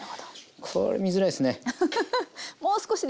これ見づらいっすね。